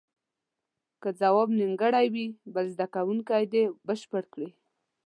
که ځواب نیمګړی وي بل زده کوونکی دې بشپړ کړي.